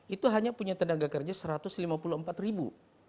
itu hanya punya tenaga kerja satu ratus lima puluh empat ribu